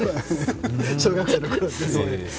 小学生のころですね。